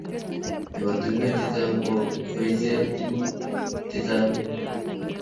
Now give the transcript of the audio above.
ematunwek chechang ko koicher tuguk chechang